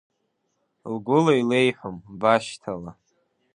Лгәыла илеиҳәом башьҭала…